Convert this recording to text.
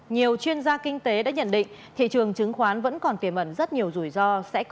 nhiều chuyên gia kinh tế đã nhận định thị trường chứng khoán vẫn còn tiềm ẩn rất nhiều rủi ro sẽ có